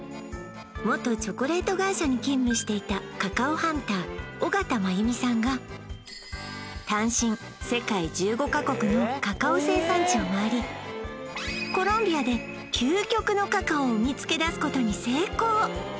元チョコレート会社に勤務していたカカオハンター小方真弓さんが単身世界１５カ国のカカオ生産地を回りコロンビアで究極のカカオを見つけ出すことに成功